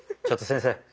ちょっと先生。